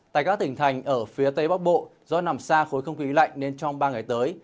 tại các tỉnh thành ở phía tây bắc bộ do nằm xa khối không khí lạnh nên trong ba ngày tới